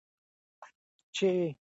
چې د خپل هېواد خدمت وکړو.